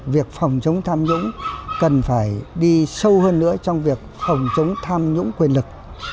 việc phòng chống tham nhũng cần phải đi sâu hơn nữa trong việc phòng chống tham nhũng quyền lực